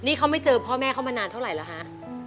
นี่เขาไม่เจอพ่อแม่เขามานานเท่าไหร่แล้วฮะ